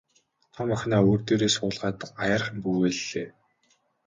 Том охиноо өвөр дээрээ суулгаад аяархан бүүвэйллээ.